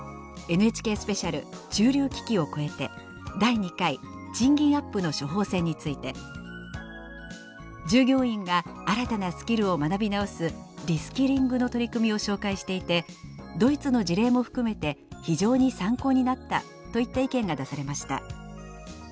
ＮＨＫスペシャル“中流危機”を越えて「第２回賃金アップの処方せん」について「従業員が新たなスキルを学び直すリスキリングの取り組みを紹介していてドイツの事例も含めて非常に参考になった」といった意見が出されました。